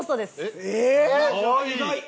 意外！